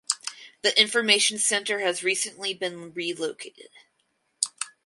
The Information Centre has recently been relocated.